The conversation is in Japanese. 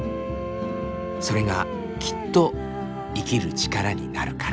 それがきっと生きる力になるから。